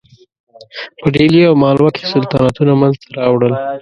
په ډهلي او مالوه کې سلطنتونه منځته راوړل.